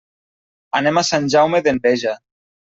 Anem a Sant Jaume d'Enveja.